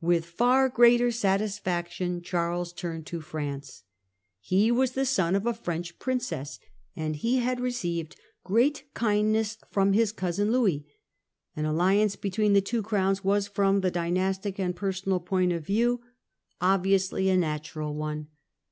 With far greater satisfaction Charles turned to France. He was the son of a French princess, and he had received great kindness from his cousin Louis. Aft alii 102 Relations of England with Continent 1661. ance between the two crowns was from the dynastic and personal point of view obviously a natural one.